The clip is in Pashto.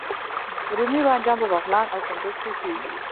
رومي بانجان په بغلان او کندز کې کیږي